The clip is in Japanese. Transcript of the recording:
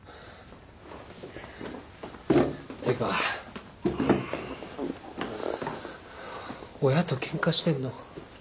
てか親とケンカしてんの？